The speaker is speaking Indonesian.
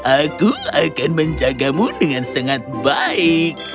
aku akan menjagamu dengan sangat baik